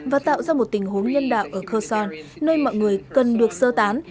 và tạo ra một tình huống nhân đạo ở kerson nơi mọi người cần được sơ tán